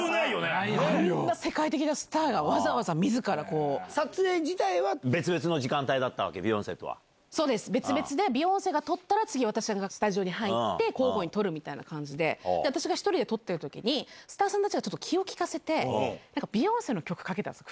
あんな世界的なスターが、撮影自体は別々の時間帯だっそうです、別々で、ビヨンセが撮ったら、次、私がスタジオに入って、交互に撮るみたいな感じで、私が１人で撮ってるときに、スタッフさんたちがちょっと気を利かせて、なんかビヨンセの曲かけたんです。